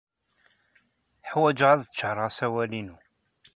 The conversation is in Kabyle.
Ḥwajeɣ ad d-ččaṛeɣ asawal-inu.